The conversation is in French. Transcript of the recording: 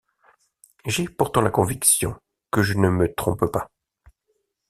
J’ai pourtant la conviction que je ne me trompe pas.